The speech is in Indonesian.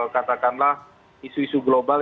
katakanlah isu isu global